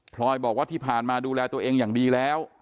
ลอยบอกว่าที่ผ่านมาดูแลตัวเองอย่างดีแล้ว